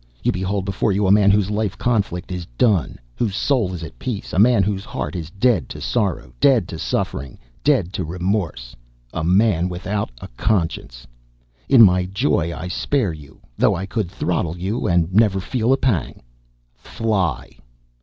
You behold before you a man whose life conflict is done, whose soul is at peace; a man whose heart is dead to sorrow, dead to suffering, dead to remorse; a man WITHOUT A CONSCIENCE! In my joy I spare you, though I could throttle you and never feel a pang! Fly!"